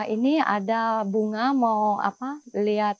ini ada bunga mau apa lihat